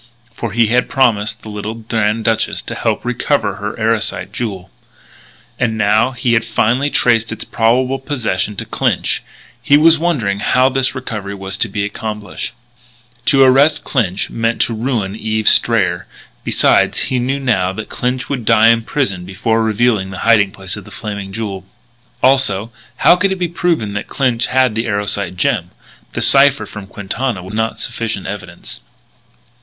For he had promised the little Grand Duchess to help recover her Erosite jewel; and now that he had finally traced its probable possession to Clinch, he was wondering how this recovery was to be accomplished. To arrest Clinch meant ruin to Eve Strayer. Besides he knew now that Clinch would die in prison before revealing the hiding place of the Flaming Jewel. Also, how could it be proven that Clinch had the Erosite gem? The cipher from Quintana was not sufficient evidence.